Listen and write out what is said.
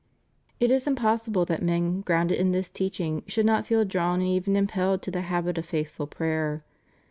^ It is impossible that men grounded in this teaching should not feel drawn and even impelled to the habit of faithful prayer.